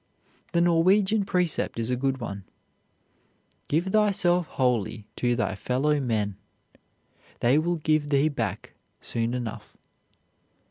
The Norwegian precept is a good one: "Give thyself wholly to thy fellow men; they will give thee back soon enough."